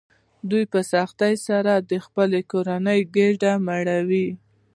دوی په سختۍ سره د خپلې کورنۍ ګېډه مړوي